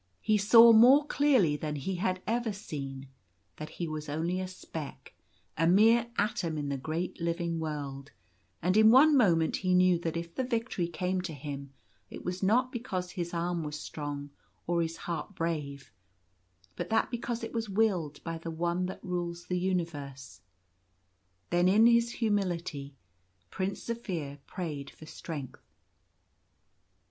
He saw more clearly than he had ever seen that he was only a speck — a mere atom — in the great living world ; and in one moment he knew that if the victory came to him it was not because his arm was strong or his heart brave, but that because it was willed by the One that rules the universe. Then, in his humility, Prince Zaphir prayed for strength.